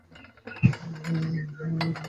আমার মনে হয় তোমার এটা পছন্দ হয়েছে।